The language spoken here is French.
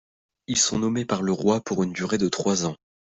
Ils sont nommés par le roi pour une durée de trois ans.